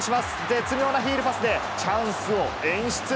絶妙なヒールパスで、チャンスを演出。